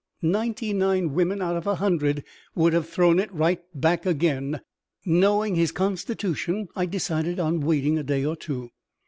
Ninety nine women out of a hundred would have thrown it back again. Knowing his constitution, I decided on waiting a day or two.